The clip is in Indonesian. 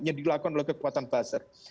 yang dilakukan oleh kekuatan pasar